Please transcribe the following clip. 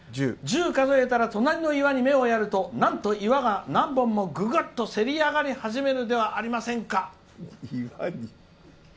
１０数えたら隣の岩に目をやると岩が何本も、ぐぐっとせり上がり始めるではありませんか」。